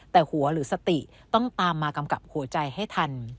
แต่หัวหรือสติต้องตามมากำกับหัวใจให้ทัน